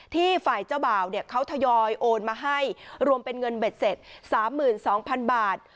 ฝ่ายเจ้าบ่าวเขาทยอยโอนมาให้รวมเป็นเงินเบ็ดเสร็จ๓๒๐๐๐บาท